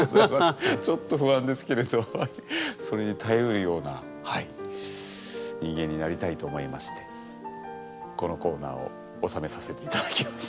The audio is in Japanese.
ちょっと不安ですけれどそれに耐えうるような人間になりたいと思いましてこのコーナーを収めさせて頂きます。